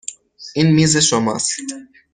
این میز شماست.